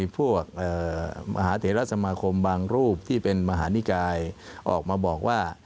พวกมหาเถระสมาคมบางรูปที่เป็นมหานิกายออกมาบอกว่า